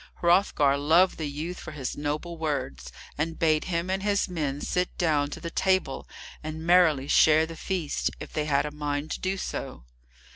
Hrothgar loved the youth for his noble words, and bade him and his men sit down to the table and merrily share the feast, if they had a mind to do so.